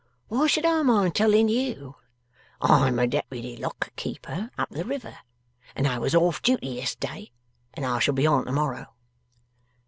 Why should I mind telling you? I'm a Deputy Lock keeper up the river, and I was off duty yes'day, and I shall be on to morrow.